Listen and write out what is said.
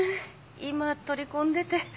今取り込んでて。